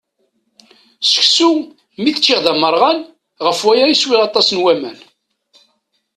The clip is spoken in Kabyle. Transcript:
Seksu, mi t-ččiɣ d amerɣan, ɣef waya i swiɣ aṭas n waman.